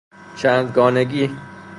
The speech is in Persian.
چندگانگی